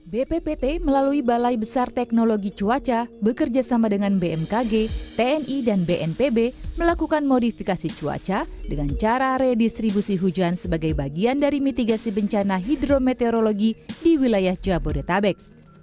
bppt melalui balai besar teknologi cuaca bekerja sama dengan bmkg tni dan bnpb melakukan modifikasi cuaca dengan cara redistribusi hujan sebagai bagian dari mitigasi bencana hidrometeorologi di wilayah jabodetabek